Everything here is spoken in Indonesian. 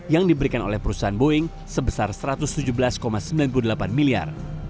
yang diberikan oleh perusahaan boeing sebesar rp satu ratus tujuh belas sembilan puluh delapan miliar